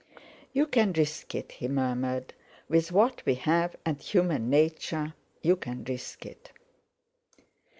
"You can risk it," he murmured; "with what we have, and human nature, you can risk it."